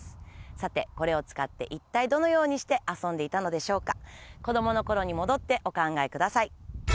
さてこれを使って一体どのようにして遊んでいたのでしょうか？